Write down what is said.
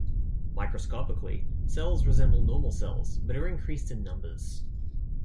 Microscopically, cells resemble normal cells but are increased in numbers.